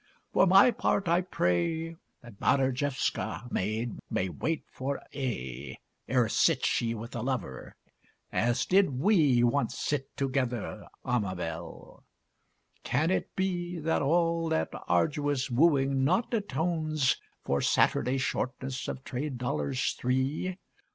For my part, I pray That Badarjewska maid may wait for aye Ere sits she with a lover, as did we Once sit together, Amabel! Can it be That all that arduous wooing not atones For Saturday shortness of trade dollars three?